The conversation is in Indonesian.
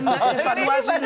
anda evaluasi dulu